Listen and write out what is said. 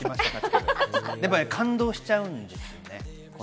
でも感動しちゃうんですよね。